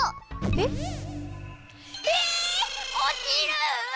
ええおちる！